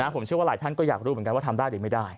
ผมเชื่อว่าหลายท่านก็อยากรู้เหมือนกันว่าทำได้หรือไม่ได้